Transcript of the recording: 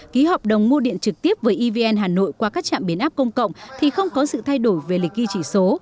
ký hợp đồng mua điện trực tiếp với evn hà nội qua các trạm biến áp công cộng thì không có sự thay đổi về lịch ghi chỉ số